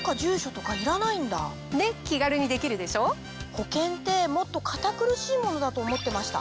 保険ってもっと堅苦しいものだと思ってました。